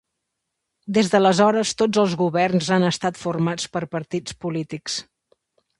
Des d'aleshores tots els governs han estat formats per partits polítics.